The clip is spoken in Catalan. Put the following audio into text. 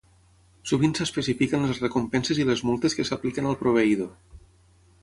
Sovint s'especifiquen les recompenses i les multes que s'apliquen al proveïdor.